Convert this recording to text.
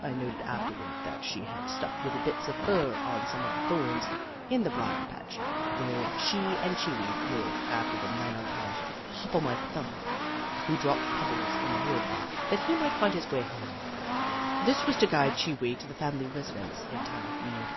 I noted afterward that she had stuck little bits of fur on some of the thorns in the brier patch where she and Chee Wee lived, after the manner of Hop o' My Thumb, who dropped pebbles in the wood that he might find his way home again. This was to guide Chee Wee to the family residence in time of need.